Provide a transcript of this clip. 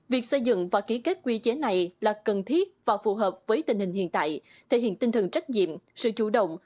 việc xây dựng và ký kết quy chế này là cần thiết và phù hợp với tình hình hiện tại thể hiện tinh thần trách nhiệm sự chủ động